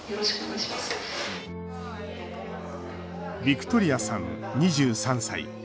ビクトリアさん、２３歳。